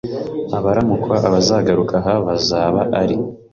abaramukwa abazagaruka aha bazaba ari